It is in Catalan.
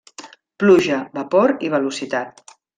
Pluja, vapor i velocitat.